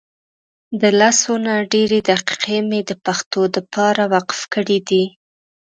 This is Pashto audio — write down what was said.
دلسونه ډیري دقیقی مي دپښتو دپاره وقف کړي دي